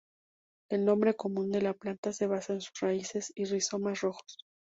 El nombre común de la planta se basa en sus raíces y rizomas rojos.